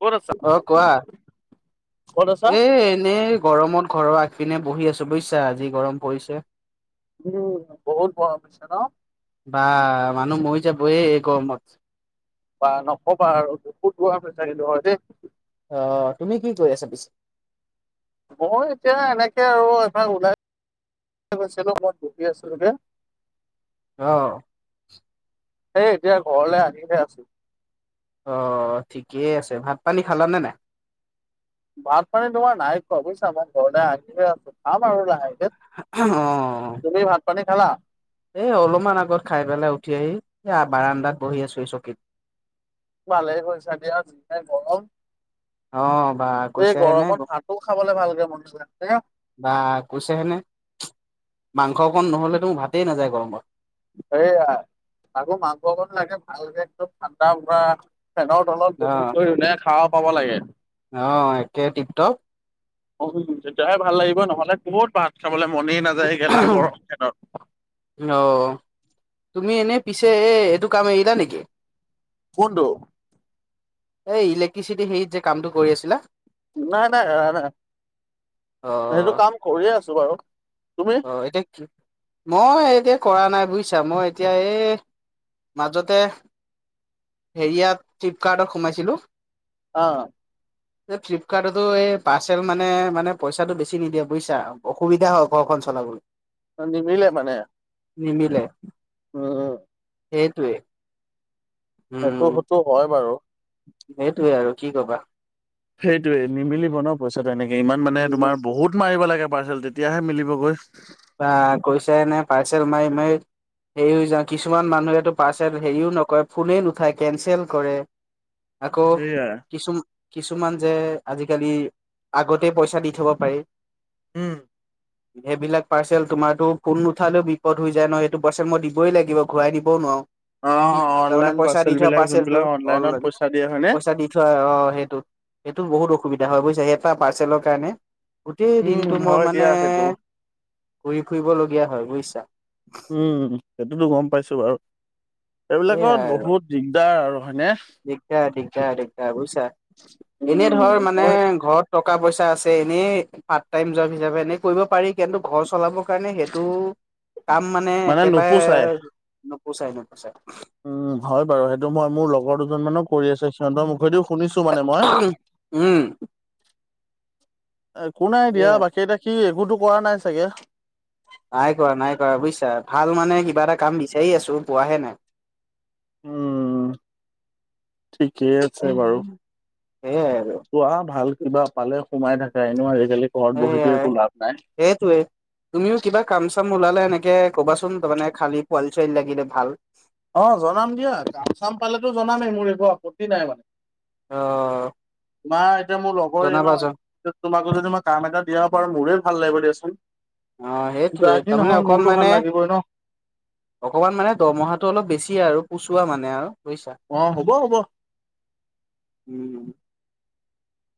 ক'ত আছা? অ কোৱা? ক'ত আছা? এ এনেই গৰমত ঘৰৰ আগ পিনে বহি আছো বুজিছা আজি গৰম পৰিছে উম বহুত গ পৰিছে ন? বা মানুহ মই যাব এ গৰমত। বা নকবা আৰু বহুত গৰম সঁচাকে ধ দেই। আহ তুমি কি কৰি আছা পিছ মই এতিয়া এনেকে আৰু এভাগ ওলাই গেছিলো মত বহি আছিলো ৰবিয়া অহ। এই এতিয়া ঘৰলে আহিহে আছো। অ ঠিকেই আছে, ভাত পানী খালানে নাই? ভাত পানী তোমাৰ নাই খোৱা বুজিছা মই ঘৰলৈ আহিে আছো খাম আৰু লাহে অ। খালা? এ অলপমান আগত খাই পেলাই উঠি আহি আ বাৰান্দাত বহি আছো এই চকীত। ভালে কৰিছা দিয়া যিহে গৰম। অ বা এই কৈছাহে নে গৰমত ভাতো খাবলে ভালকে মন নাযায় [unintelligible] বা কুছে হেনে [inaudible] মাংস অকণ নহ'লেতো মোৰ ভাতেই নাযায় গৰমত। সেইয়া আকৌ মাংসকন লাগে ভালকে একদম ঠাণ্ডা পৰা ফেনৰ তলত বহ কৰি ধুনীয়াকে খাব পাব লাগে। অঁ একে টিপটপ। উ তেতিয়াহে ভাল লাগিব নহলে ক'ত ভাত খাবলে মনেই নাযায় গেলা গৰম দিনত। অ তুমি এনে পিছে এ এইটো কাম এৰিলা নেকি? কোনটো? এই ইলেক্ট্ৰিচিটি হেৰিত যে কামটো কৰি আছিলা? নাই নাই এৰা নাই, অ সেইটো কাম কৰিয়ে আছো বাৰু। তুমি অ এতিয়া কি মই এতিয়া কৰা নাই বুইছা, মই এতিয়া এই মাজতে হেৰিয়াত ফ্লিপকাৰ্টত সোমাইছিলোঁ। অঁ। এই ফ্লিপকাৰ্টতো এই পাৰ্চেল মানে মানে পইচাটো বেছি নিদিয়ে বুইছা, অসুবিধা হওক কখন চলাও নিমিলে মানে নিমিলে অ', -অ', সেইটোৱে সেইটো উম সেইটো হয় বাৰু সেইটোৱে আৰু কি কবা সেইটোৱে নিমিলিব ন পইচা তেনেকে ইমান মানে তোমাৰ বহুত মাৰিব লাগে পাৰ্চেল তেতিয়াহে মিলিব গৈ বা গৈ চাই নে পাৰ্চেল মাৰি মাৰি হেৰি হৈ যাওঁ কিছুমান মানুহো পাৰ্চেল হেৰিও নকৰে ফোনেই নুঠাই কেনচেল কৰে। আকৌ সেইয়াই কিছু কিছুমান যে আজিকালি আগতে পইচা দি থ'ব পাৰি। হম। সেইবিলাক পাৰ্চেল তোমাৰতো ফোন নুঠালেও বিপদ হৈ যায় ন সেইটো পাৰ্চেল মই দিবই লাগিব ঘূৰাই দিবও নোৱাৰো। অ', তাৰমানে অনলাইন পইচা দি পাৰ্চেল থোৱা বিলাক পাৰ্চেলটো যোনবিলাক অনলাইনত অনলাইন পইচা দিয়ে হয়নে? পইচা দি থোৱা অ', সেইটো এইটো বহুত অসুবিধা দে হয় বুজিছা এটা পাৰ্চেলৰ কাৰণে গোটেই উম, দিনটো মই হয় মানে দিয়া সেইটো। ঘূৰি ফুৰিবলগীয়া হয় বুজিছা। উম সেইটোতো গম পাইছো বাৰু এইবিলাকত বহুত দিগদাৰ আৰু হয়নে? দিগদাৰ-দিগদাৰ-দিগদাৰ বুজিছা এনেই উম, ধৰ মানে মই ঘৰতকা টকা-পইচা আছে এনেই পাৰ্টটাইম জব হিচাপে এনে কৰিব পাৰি কিন্তু ঘৰ চলাব মানে সেইটো কাম মানে একেবাৰে নপোচাই ন' উম হয় বাৰু সেইটো মই মোৰ লগৰ দুজনমানো কৰি আছে সিহতৰ মুখেদিও শুনিছো মানে মই উম একো নাই দিয়া এয়া বাকী এটা কি একোতো কৰা নাই চাগে নাই কৰা নাই কৰা বুজিছা ভাল মানে কিবা এটা কাম বিচাৰি আছো পোৱাহে নাই। উম ঠিকেই আছে বাৰু। সেইয়াই আৰু চোৱা ভাল কিবা পালে সোমাই থাকা এনেও আজিকালি ঘৰত বহিতো এয়াই একো লাভ নাই সেইটোৱে তুমিও কিবা কাম চাম ওলালে সেনেকে ক'বাচোন তাৰমানে খালি পোৱালি চোৱালি লাগিলে ভাল অ', জনাম দিয়া কাম চাম পালেতো জনামেই মোৰ একো আপত্তি নাই মানে অ', তোমাৰ এতিয়া মোৰ লগৰে জনাবা জন ন তোমাকো যদি মই কাম এটা দিয়া পাৰো মোৰে ভাল লাগিব দিয়াচোন। অ', সেইটোৱে যাক যি তাৰমানে নহওক অকণ মোৰতো ভাল মানে লাগিবই ন অকমান মানে দৰমহাটো অলপ বেছি আৰু পুচোৱা মানে আৰু বুজিছা। অ', হ'ব-হ'ব।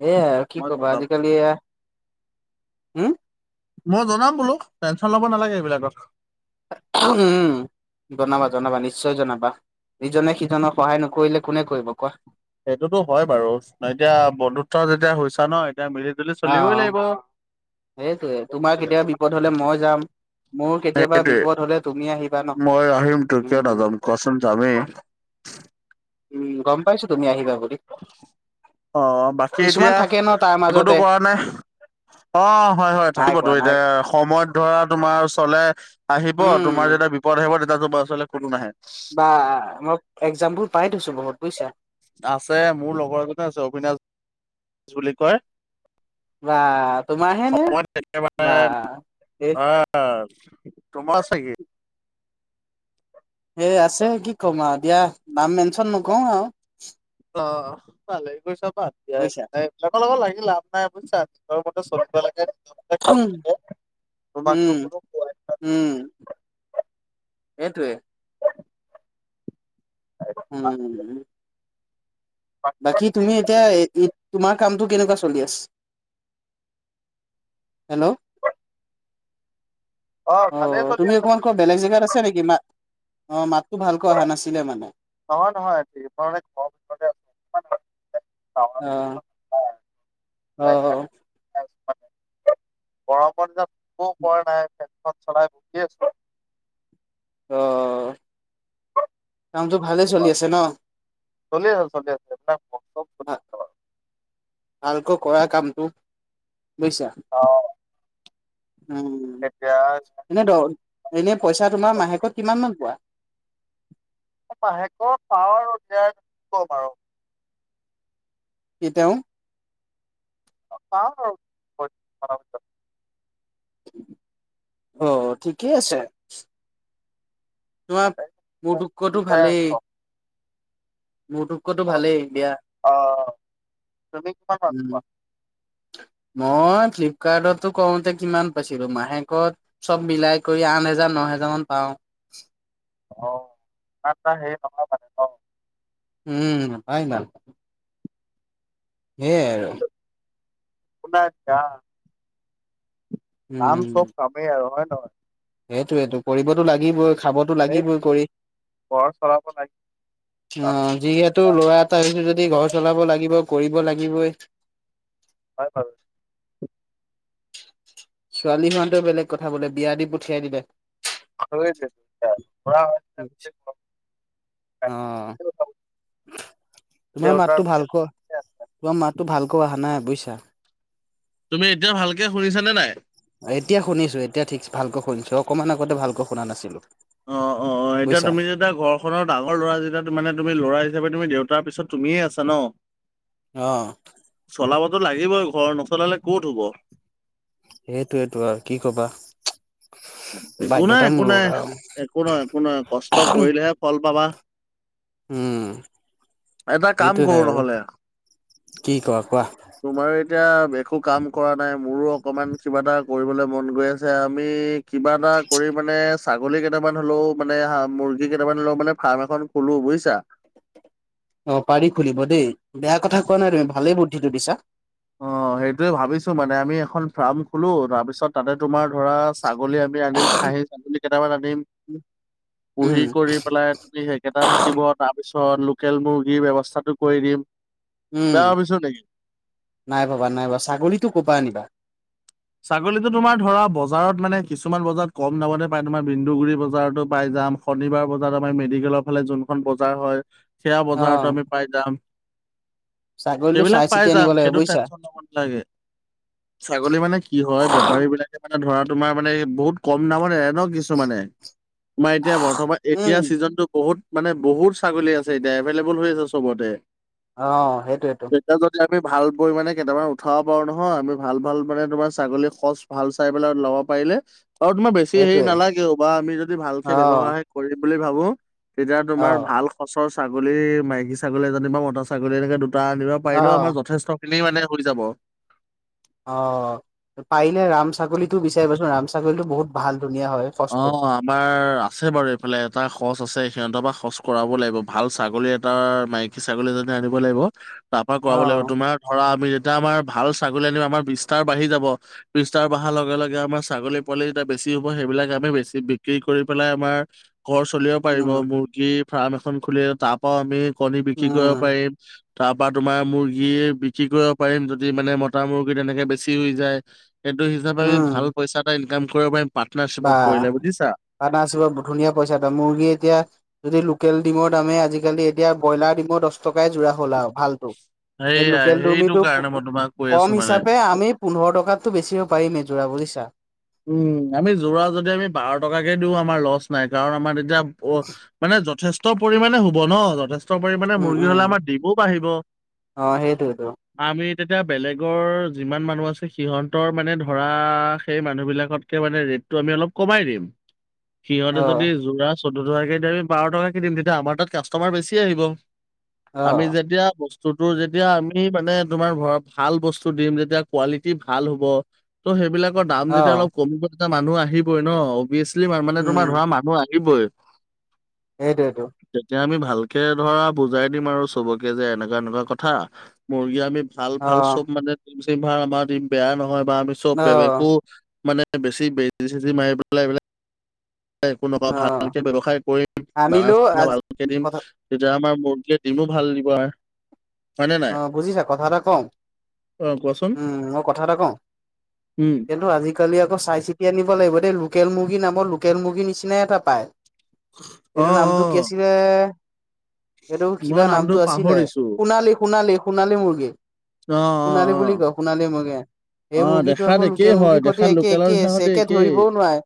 এয়া আৰু কি ক'বা জনাম আজিকালি এয়া হম মই জনাম বোলো টেনচন ল'ব নালাগে এইবিলাকত উম জনাবা জনাবা নিশ্চয় জনাবা। ইজনে সিজনক সহায় নকৰিলে কোনে কৰিব কোৱা। সেইটোতো হয় বাৰু এতিয়া বন্ধুত্ব যেতিয়া হৈছো ন', এতিয়া মিলি জুলি চলিবই লাগিব। সেইটোৱে তোমাৰ কেতিয়াবা বিপদ হ'লে মই যাম মোৰ কেতিয়াবা সেইটোৱে বিপদ হ'লে তুমি আহিবা মই আহিম তো ন কিয় উম নাযাম কোৱাচোন যামেই উম গম পাইছো তুমি আহিবা বুলি। অ', বাকী কিছুমান এতিয়া থাকে ন তাৰ একোতো মাজতে কৰা নাই। অ হয় হয় নাই থাকিবতো কোৱা নাই এতিয়া সময়ত ধৰা তোমাৰ চলে আহিব উম তোমাৰ যদি তিয়া বিপদ আহিব তেতিয়া তোমাৰ ওচৰলে কোনো নাহে বা মই এক্জাম বোৰ পাই থৈছো বহুত বুইছা আছে মোৰ লগৰ এজনে আছে অবিনাশ বুলি কয় বা তোমাৰ হে নে সময়ত বা এ একেবাৰে আহ তোমাৰ আছে কি এ আছে কি ক'ম আৰু দিয়া নাম মেনচন নকৰো আৰু অ ভালে কৰিছা বাত দিয়া বুজিছা। এইবিলাক লগত লাগি লাভ নাই বুইছা নিজৰ মতে চলিব লাগে নিজৰ মতে খাব উম লাগে তোমাকতো উম কোনো কোৱাই উম সেটোৱে অ উম বাকী তুমি এতিয়া তোমাৰ কামটো কেনেকুৱা চলি আছ হেল্ল' অ ভালেই চলি তুমি আছে অকমান বোলো ক বেলেগ জেগাত আছা নেকি মা অ মাত ভালকৈ অহা নাছিলে মানে নহয় নহয় মই মানে ঘৰৰ ভিতৰতে আছো অহ অহ অহ গৰমত যে শুৱ পৰা নাই ফেনখন চলাই বহি আছো অ কামটো ভালেই চলি আছে ন চলি আছে চলি আছে তা ভা ভালকৈ কৰা কামটো কৰিছা চাওঁ উ এতিয়া ইমান বেয়া হল নে পইচা তোমাৰ মাহেকত কিমান মান পোৱা মাহেকত পাৱ আৰু দেধ কি কম আৰু কি তেওঁ পাও আৰু ফৰ্টি মানৰ ভিতৰত অ ঠিকেই আছে তোমৰ মোৰ ভালে চলি টোতকৈতু যায় আৰু। ভালেই মোৰটোত কৈ তো ভালেই দিয়া অ তুমি কিমান উম পোৱা মই ফ্লিপকাৰ্টতো কওঁতে কিমান পাইছিলো মাহেকত চব মিলাই কৰি আঠ হেজাৰ ন হেজাৰ জাৰমান পাও অ তাতা হেই [unintelligible] উম নহয় ইমান সেইয়াই আৰু আপোনাৰ দা কাম উম। চব কামেই আৰু হয় নহয় সেইটোৱেটো কৰিবতো লাগিবই খাবতো সেই লাগিবই কৰি ঘৰ চলাব লাগিব অ আৰু যিহেতু ল'ৰা এটা হৈছোঁ যদি ঘৰ চলাব লাগিবই কৰিব লাগিবই। হয় হয়', ছোৱালী হোৱা হেতেন বেলেগ কথা বোলে বিয়া দি পঠিয়াই দিলে। অ [unintelligible] তোমাৰ দেউতাৰ মাতটো পিছত ভালকৈ তোমাৰ মাতটো ভালকৈ অহা নাই বুইছা। টা তুমি এতিয়া ভালকে শুনিছাঁ নে নাই? এতিয়া শুনিছোঁ এতিয়া ঠিক ভালকৈ শুনিছোঁ অকমান আগতে ভালকৈ শুনা নাছিলো। অ অ', এতিয়া বুজিছা তুমি যেতিয়া ঘৰখনৰ ডাঙৰ ল'ৰা যেতিয়া মানে তুমি ল'ৰাই হিচাপে তুমি দেউতাৰ পিছত তুমিয়ে আছা ন? অহ'। চলাবটো লাগিবই ঘৰ নচলালে ক'ত হ'ব। সেইটোৱেইটো আৰু কি কবা। একো নাই একো বাধ্যতামূলক নাই আৰু একো নহয় একো নহয় কষ্ট কৰিলেহে ফল পাবা। উম এটা কাম সেইটোয়ে কৰোঁ আৰু নহ'লে, কি কোৱা কোৱা তোমাৰো এতিয়া একো কাম কৰা নাই। মোৰো অকমান কিবা এটা কৰিবলে মন গৈ আছে আমি কিবা এটা কৰি মানে ছাগলী কেইটামান হ'লেও মানে হা মুৰ্গী কেইটামান হলেও মানে ফাৰ্ম এখন খোলো। বুজিছা, অ পাৰি খুলিব দেই। বেয়া কথা কোৱা নাই তুমি ভালেই বুদ্ধিটো দিছা। অ, সেইটোয়ে ভাবিছোঁ মানে আমি এখন ফাৰ্ম খোলো। তাৰপিছত তাতে তোমাৰ ধৰা ছাগলী আমি আনিম খাহি মুৰ্গী কেইটামান আনিম পুহি উম কৰি পেলাই তুমি সেইকেইটা থাকিব তাৰ পিছত পিছত লোকেল মুৰ্গীৰ ব্যৱস্থাটো কৰি দিম উম বেয়া ভাবিছোঁ নেকি? নাই ভাবা নাই ভাবা ছাগলীতটো ক'ৰ পৰা আনিবা? ছাগলীতটো তোমাৰ ধৰা বজাৰত মানে, কিছুমান বজাৰত কম দামতে পায়। তোমাৰ বিন্দুগুৰি বজাৰতো পাই যায়। যাম শনিবাৰ বজাৰ আমাৰ মেডিকেলৰ ফালে যোনখন বজাৰ হয়। সেয়া অ বজাৰতো আমি পাই যাম। ছাগলীটো সেইবিলাক চাই পাই চিতি আনিব যাম লাগে সেইটো বুজিছা টেনচন ল'ব নালাগে। ছাগলী মানে কি হয় বেপাৰী বিলাকে মানে ধৰা তোমাৰ মানে বহুত কম দামত এৰেও কিছুমানে। তোমাৰ এতিয়া বৰ্তমান এতিয়া উম ছিজনটো বহুত মানে বহুত ছাগলী আছে এতিয়া এভেইলেবল হৈ আছে চবতে। অ', সেইটোৱেই টো তেতিয়া যদি আমি ভাল পৰিমাণে কেইটামান উঠাব পাৰো নহয়। আমি ভাল ভাল মানে তোমাৰ ছাগলী সচ ভাল চাই পেলাই ল'ব পাৰিলে আৰু তোমাৰ বেছি হেৰি সেইটোয়ে নালাগেও, বা আমি যদি ভালকে অ ব্যৱসায় কৰিম বুলি ভাবোঁ। তেতিয়া অ তোমাৰ ভাল সচৰ ছাগলী। মাইকী ছাগলী এজনী বা মতা ছাগলী এনেকে দুটা আনিব অ পাৰিলেও আমাৰ যথেষ্ট খিনি মানে হৈ যাব। অ', পাৰিলে ৰাম ছাগলীটো বিচাৰিবা চোন ৰাম ছাগলীতো বহুত ভাল। ধুনীয়া হয় সচটো অ', আমাৰ আছে বাৰু এইফালে এটা খচ আছে। সিহঁতৰ পৰা খচ কৰাব লাগিব। ভাল ছাগলী এটাৰ মাইকী ছাগলী এজনী আনিব লাগিব। তাৰ পৰা অ কৰাব লাগিব তোমাৰ ধৰা আমি এতিয়া আমাৰ ভাল ছাগলী আনিব আমাৰ বিস্তাৰ বাঢ়ি যাব। বিস্তাৰ বাঢ়াৰ লগে লগে আমাৰ ছাগলী পোৱালি গিটা বেছি চি হ'ব, সেইবিলাক আমি বেছি বিক্ৰী কৰি পেলাই আমাৰ ঘৰ চলিব পাৰিব। উম মুৰ্গী ফাৰ্ম এখন খুলিলে, তাৰপৰাও আমি কণী বিক্ৰী কৰিব উম পাৰিম। তাৰপৰা তোমাৰ মুৰ্গীয়ে বিক্ৰী কৰিব পাৰিম যদি মানে মতা মুৰ্গী তেনেকে বেছি হৈ যায়। সেইটো হিচাপে আমি উম ভাল পইচা এটা ইনকাম কৰিব পাৰিম পাৰ্টনাৰশ্বিপত। আ', কৰিলে বুজিছা। পাৰ্টনাৰশ্বিপত ধুনীয়া পইচা এটা মুৰ্গী এতিয়া যদি লোকেল ডিমৰ দামে, আজিকালি এতিয়া ব্ৰইলাৰ ডিমৰ দচ টকাই যোৰা হ'ল আও ভালতো। এই সেইয়াই লোকেল সেইটো ডিমটো কাৰণে মই তোমাক কৈ আছো কম মানে। হিচাপে আমি পোন্ধৰ টকাত টো বেচিব পাৰিমে যোৰা, বুজিছা? উম আমি যোৰা যদি আমি বাৰ টকাকে দিওঁ আমাৰ লচ নাই, কাৰণ আমাৰ তেতিয়া অ মানে যথেষ্ট পৰিমণে হ'ব ন যথেষ্ ষ্ট পৰিমণে উম মুৰ্গী উম হ'লে আমাৰ ডিমো বাঢ়িব। অ সেইটোয়েতো আমি তেতিয়া বেলেগৰ যিমান মানুহ আছে সিহঁতৰ মানে ধৰা সেই মানু মানুহবিলাকতকে মানে ৰেটটো আমি অলপ কমাই দিম। অ সিহঁতে যদি যোৰাত চৈধ্য টকাকে দিয়ে আমি বাৰ টকা কে দিম। তেতিয়া আমাৰ তাত কাষ্টমাৰ বেছি আহিব। অ আমি যেতিয়া বস্ স্তুটোৰ যেতিয়া আমি মানে, তোমাৰ ধৰক ভাল বস্তু দিম তেতিয়া কোৱালিটি ভাল হ'ব। তো সেইবিলাক দাম অ যেতিয়া অলপ কমিব, তেতিয়া মানুহ আহিবই ন অভিয়েছলি মানে তোমাৰ ধৰা মানুহ আহ হিবই। সেইটোৱেইটো। ভালকে ধৰা বুজাই দিম আৰু চবকে যে, এনেকুৱা এনেকুৱা কথা। মুৰ্গী আমি ভাল অ ভাল চব [unintelligible] আমাৰ দ্ৰিম বেয়া নহয় বা আমি চব অ বেয়া বেয়া একো মানে বেছি বেজি চেজি মাৰি পেলাই এইবিলাক একো নোখোৱা অ ভালকে ব্যৱসায় কৰিম, আনিলেও দানা-চানা আজি ভালকে দিম। কথা তেতিয়া আমাৰ [unintelligible] দিমো ভাল দিব আৰ। অ বুজিছা কথা এটা কওঁ অ কোৱাচোন উম মই কথা এটা কওঁ। উম, কিন্তু আজি আজিকালি আকৌ চাই চিতি আনিব লাগিব দেই। লোকেল মুৰ্গী নামৰ লোকেল মুৰ্গীৰ নিচিনাই এটা পায়। অ', এইটো নামটো কি অ', আছিলে এইটো মই কিবা নামটো আছিলে পাহৰিছো। সোণালী, সোণালী, সোণালী মুৰ্গী। অ', অ', সোণালী বুলি অ', কয় সোণালী মূৰ্গী। এই অ', মুৰ্গীটো দেখাত আকৌ একেই লোকেল হয়, মুৰ্গীৰ সৈতে দেখাত একে লোকেলৰ একেই নিচিনা আছে, সৈতে একে একেই। ধৰিবও নোৱাৰে।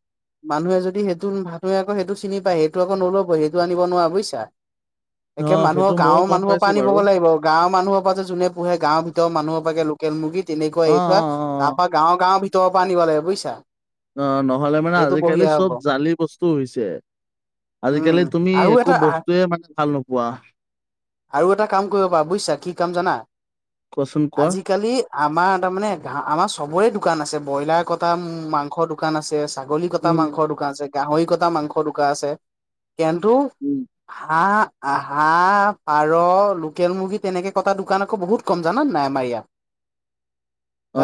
মানুহে যদি সেইটো বুলি ভাৱে আকৌ সেইটো চিনি পায় সেইটো আকৌ নল'ব, সেইটো আনিব নোৱাৰা বুজিছা? একে অ', সেইটো মানুহৰ ময়ো গাঁৱৰ গম মানুহৰ পাইছো পৰা বাৰু। আনিবগৈ লাগিব। গাঁৱৰ মানুহৰ পৰা যে জোনে পুহে গাঁৱৰ ভিতৰ মানুহৰ পৰাগে লোকেল মুৰ্গী তেনেকুৱা অ', এই থোৱা। অ', তাৰ পৰা গাঁৱৰ গাঁৱৰ ভি তৰৰ পৰা আনিব লাগিব বুজিছা? অ নহ'লে মানে সেইটো আজিকালি বঢ়িয়া হ'ব চব জালি বস্তু হৈছে। উম আজিকালি তুমি আৰু একো এটা বস্তুয়ে মানে ভাল নোপোৱা। আৰু এটা কাম কৰিব পাৰা বুজিছা, কি কাম জানা? কোৱাচোন কোৱা? আজিকালি আমাৰ তাৰ মানে গা আমাৰ চবৰে দোকান আছে। ব্ৰইলাৰ কটা, মাংসৰ দোকান আছে ছাগলী কটা উম, মাংসৰ দোকান আছে, গাহৰি কটা মাংসৰ দোকান আছে। কিন্তু উম, হাঁহ হাঁ, পাৰ, লো কেল মুৰ্গী তেনেকে কটা দোকান আকৌ বহুত কম জানানে নাই আমাৰ ইয়াত?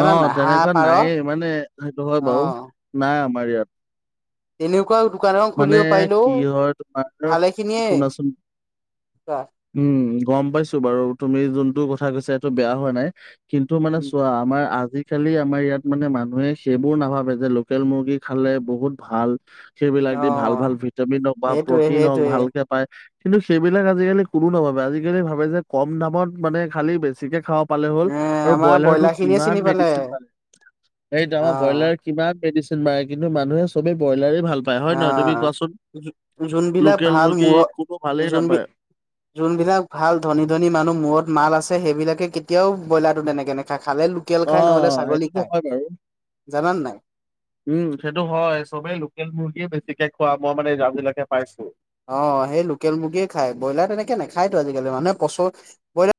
অ নাই হাঁহ তেনেকুৱা পাৰ অ নাইয়ে মানে, সেইটো হয় বাৰু নাই আমাৰ ইয়াত। এনেকুৱাও দো মানে, কি হয় তোমাৰ ভালে খিনিয়ে শুনাচোন? উম গম পাইছোঁ বাৰু তুমি যোনটো ক থা কৈছা এইটো বেয়া হোৱা নাই, কিন্তু মানে চোৱা আমাৰ আজি কালি আমাৰ ইয়াত মানে মানুহে সেইবোৰ নাভাবে, যে লোকেল মুৰ্গী খালে বহুত ভাল। সেই অ যদি ভাল ভাল ভিটামিন হওঁক বা সেইটোৱে প্ৰটিন হওঁক সেইটোৱে ভালকে পায়। কিন্তু সেইবিলাক আজিকালি কোনো নাভাবে। আজিকালি ভাবে যে, কম দামত মানে খালি বেছিকে খাব পালে হ'ল এ আৰু আমাৰ ব্ৰইলাৰ খিনিয়ে কিমান চিনি পালে মেডিচিন মাৰে এইটো অ ব্ৰইলাৰ কিমান মেডিচিন মাৰে, কিন্তু মানুহে চবেই ব্ৰইলাৰে ভাল পায় হয় নহয়? অ তুমি কোৱাচোন? অ যোনবিলাক লোকেল ভাল মুৰ্গী মূৰো কোনো ভালেই যোনবি নাপায় যোনবিলাক ভাল ধনী ধনী মানুহ মূৰত মাল আছে, সেইবিলাকে কেতিয়াও ব্ৰইলাৰটো তেনেকে নেখায়। খালে লোকেল খায় নহ'লে অ', ছাগলী সেইটোতো খায়। হয় বাৰু। জানানে নাই? উম সেইটো হয় চবেই লোকেল মুৰ্গীয়ে বেছিকে খোৱা মই মানে আজিলৈকে পাইছোঁ। অ সেই লোকেল মুৰ্গীয়ে খায়। ব্ৰইলাৰ তেনেকে নাখায়টো আজিকালি মানুহে পচ ব্ৰইলাৰ